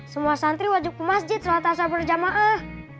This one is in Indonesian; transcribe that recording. semua santri wajib ke masjid selata sabar jama'ah